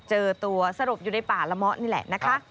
เจอตัวสลบอยู่ในป่าละเมาะนี่แหละนะคะ